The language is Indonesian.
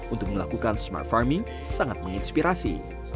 untuk melakukan smart farming sangat menginspirasi